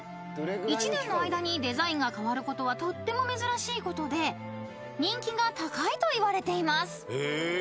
［１年の間にデザインが変わることはとっても珍しいことで人気が高いといわれています］